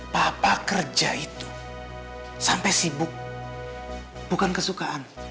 papa kerja itu sampai sibuk bukan kesukaan